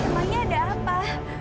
temannya ada apa